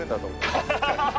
ハハハハハ！